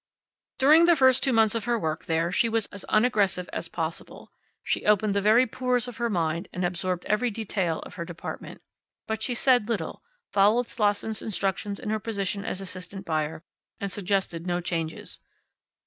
During the first two months of her work there she was as unaggressive as possible. She opened the very pores of her mind and absorbed every detail of her department. But she said little, followed Slosson's instructions in her position as assistant buyer, and suggested no changes.